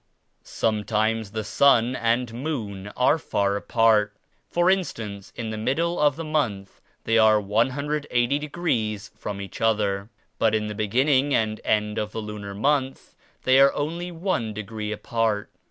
Sometimes the sun and moon are far apart; for instance in the middle of the month they are i8o° from each other. But in the beginning and end of the lunar month they are only one degree apart.